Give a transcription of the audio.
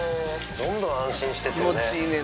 どんどん安心してきてるね。